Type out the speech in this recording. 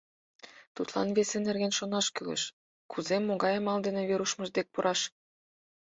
Тудлан весе нерген шонаш кӱлеш, кузе, могай амал дене Верушмыт дек пураш.